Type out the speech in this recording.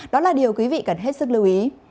đó là điều quý vị cần hết sức lưu ý